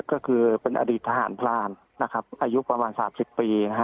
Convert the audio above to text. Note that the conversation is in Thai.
ก็คือเป็นอดีตทหารพรานนะครับอายุประมาณ๓๐ปี